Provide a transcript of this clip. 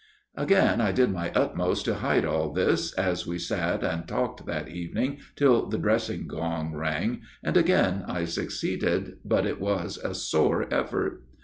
" Again I did my utmost to hide all this, as we sat and talked that evening till the dressing gong rang, and again I succeeded, but it was a sore effort.